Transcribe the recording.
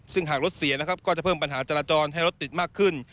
ซึ่งหากรถเสียนะครับก็จะเพิ่มปัญหาจราจรให้รถติดมากขึ้น